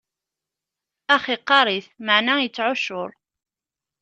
Ax, iqqaṛ-it, meɛna ittɛuccur.